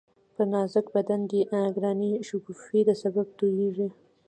پر نازک بدن دی گرانی شگوفې د سېب تویېږی